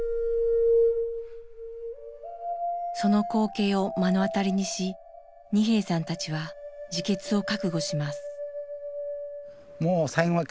その光景を目の当たりにし二瓶さんたちは自決を覚悟します。